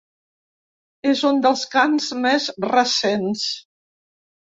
És un dels cants més recents.